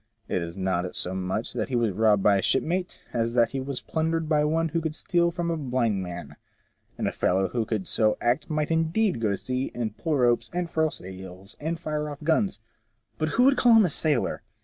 It is not so much that he was robbed by a shipmate, as that he was plundered by one who could steal from a blind man — and a fellow who could so act might indeed go to sea, and pull ropes, and furl sails, and fire off guns; but who would call him a sailor?